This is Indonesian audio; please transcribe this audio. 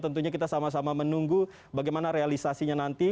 tentunya kita sama sama menunggu bagaimana realisasinya nanti